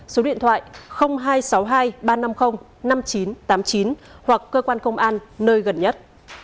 số điện thoại hai trăm sáu mươi hai ba trăm năm mươi năm nghìn chín trăm tám mươi chín hoặc cơ quan công an nơi gần nhất